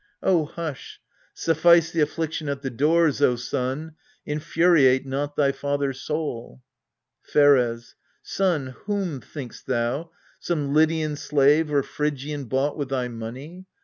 Oh, hush ! Suffice the affliction at the doors, O son, infuriate not thy father's soul. Pheres. Son, whom, thinkst thou some Lydian slave or Phrygian Bought with thy money